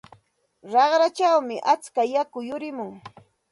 Raqrachawmi atska yaku yurimun.